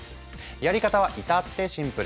やり方は至ってシンプル。